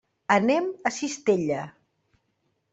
Anem a Cistella.